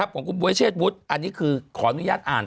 ของคุณบวปอันนี้คือขออนุญาตอ่าน